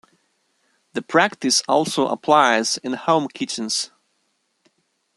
The practice also applies in home kitchens.